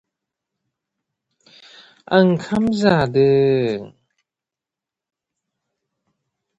Cranley played various instruments on bandmate Amy Millan's solo debut, "Honey From the Tombs".